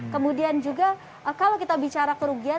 kemudian juga kalau kita bicara kerugian